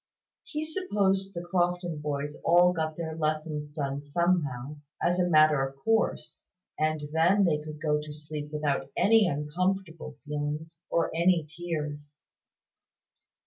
He supposed the Crofton boys all got their lessons done somehow, as a matter of course; and then they could go to sleep without any uncomfortable feelings or any tears.